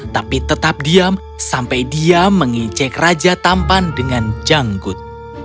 tapi tetap diam sampai dia mengejek raja tampan dengan janggut